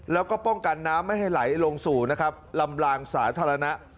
แล้วก็ป้องกันน้ำไม่ให้ไหลลงสู่นะครับลำลางสาธารณะ